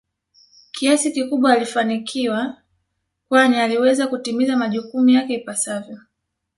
kiasi kikubwa alifanikiwa kwani aliweza kutimiza majukumu yake ipasavyo